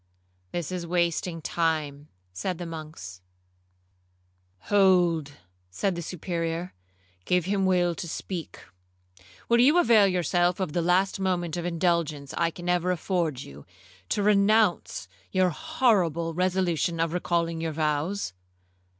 'This is wasting time,' said the monks. 'Hold, said the Superior; 'give him leave to speak. Will you avail yourself of the last moment of indulgence I can ever afford you, to renounce your horrible resolution of recalling your vows?'